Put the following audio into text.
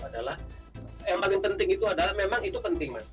adalah yang paling penting itu adalah memang itu penting mas